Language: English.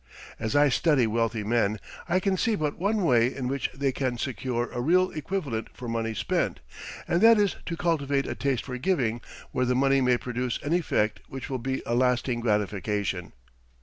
As I study wealthy men, I can see but one way in which they can secure a real equivalent for money spent, and that is to cultivate a taste for giving where the money may produce an effect which will be a lasting gratification.